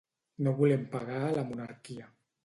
No volem pagar a la Monarquia